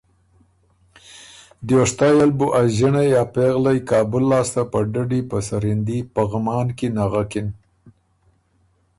دیوشتئ ال بُو ا ݫِنړئ ا پېغلئ کابل لاسته په ډډی په سرندي پغمان کی نغکِن